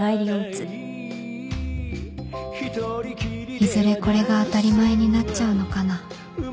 いずれこれが当たり前になっちゃうのかな